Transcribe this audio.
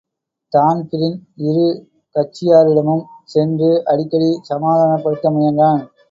Dan Breen இரு கட்சியாரிடமும் சென்று அடிக்கடிசமாதானப்படுத்த முயன்றான்.